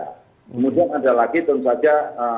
kemudian ada lagi tentu saja